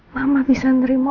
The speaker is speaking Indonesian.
mama bisa menerima